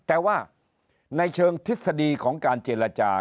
แต่ว่าในเชิงทฤษฎีของการเจรจา